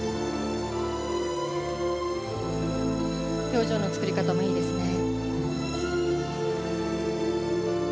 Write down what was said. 表情の作り方もいいですね。